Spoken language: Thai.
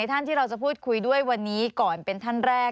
สนุนโดยน้ำดื่มสิง